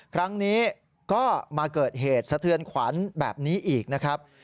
ครั้งนี้ก็มาเกิดเหตุสะเทือนขวัญแบบนี้อีกนะครับ